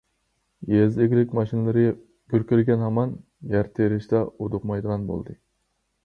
يېزا ئىگىلىك ماشىنىلىرى گۈركىرىگەن ھامان، يەر تېرىشتا ھودۇقمايدىغان بولدى.